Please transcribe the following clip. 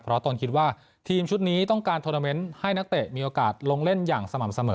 เพราะตนคิดว่าทีมชุดนี้ต้องการโทรเมนต์ให้นักเตะมีโอกาสลงเล่นอย่างสม่ำเสมอ